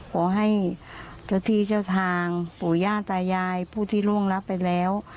ขอให้เจ้าที่เจ้าทางปู่ย่าตายายผู้ที่ร่วงรับไปแล้ว